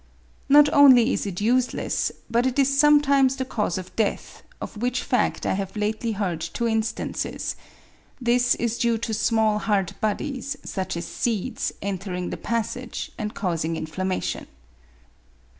Not only is it useless, but it is sometimes the cause of death, of which fact I have lately heard two instances: this is due to small hard bodies, such as seeds, entering the passage, and causing inflammation.